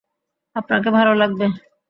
আপনাদের ভালো লাগবে।